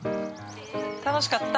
楽しかった。